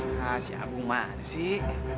nah si abu mana sih